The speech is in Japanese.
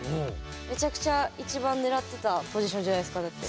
めちゃくちゃ一番狙ってたポジションじゃないですかだって。